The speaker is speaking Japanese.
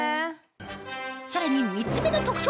さらに３つ目の特徴